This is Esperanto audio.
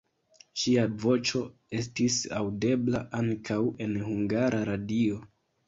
Ŝia voĉo estis aŭdebla ankaŭ en Hungara Radio.